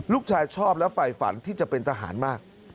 ชอบและไฟฝันที่จะเป็นทหารมาก